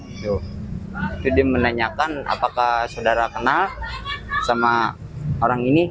itu dia menanyakan apakah saudara kenal sama orang ini